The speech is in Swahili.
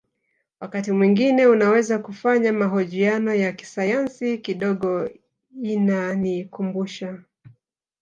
Wakati mwingine unaweza kufanya mahojiano ya kisayansi kidogo inanikumbusha